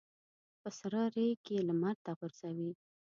په سره ریګ یې لمر ته غورځوي.